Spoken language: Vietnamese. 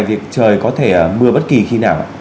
việc trời có thể mưa bất kỳ khi nào